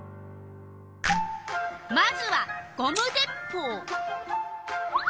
まずはゴム鉄ぽう。